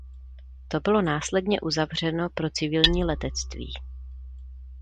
To bylo následně uzavřeno pro civilní letectví.